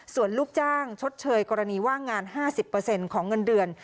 ส่วนลูกจ้างชดเชยกรณีว่างงาน๕๐ของเงินเดือน